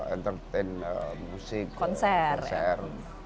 entertain musik konser